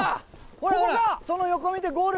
ほらほら、その横見て、ゴール。